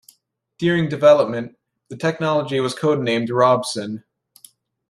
During development, the technology was codenamed Robson.